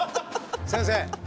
先生。